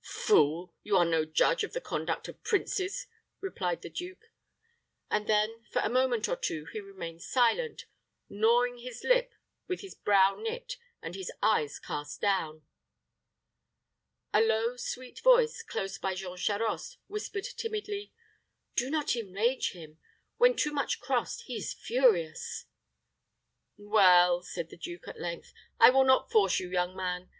"Fool! You are no judge of the conduct of princes," replied the duke; and then, for a moment or two, he remained silent, gnawing his lip, with his brow knit, and his eyes cast down. A low, sweet voice, close by Jean Charost, whispered timidly, "Do not enrage him. When too much crossed, he is furious." "Well," said the duke, at length, "I will not force you, young man.